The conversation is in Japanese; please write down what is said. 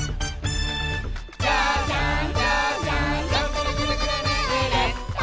「ジャンジャンジャンジャンジャングルグルグルるーれっと」